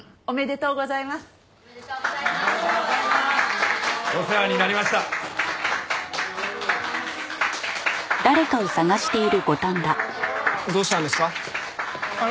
どうしたんですか？